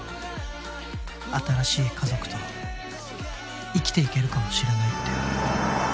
「新しい家族と」「生きていけるかもしれないって」